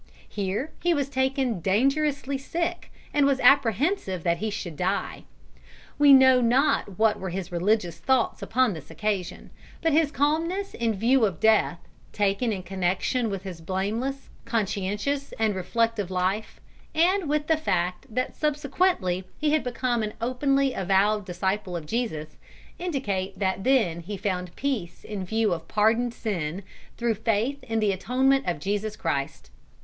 Here he was taken dangerously sick, and was apprehensive that he should die. We know not what were his religious thoughts upon this occasion, but his calmness in view of death, taken in connection with his blameless, conscientious, and reflective life, and with the fact that subsequently he became an openly avowed disciple of Jesus, indicate that then he found peace in view of pardoned sin through faith in the atonement of Jesus Christ.